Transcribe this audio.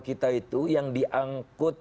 kita itu yang diangkut